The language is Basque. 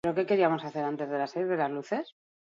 Lehenengo paragrafoak zuzendu nituen soilik.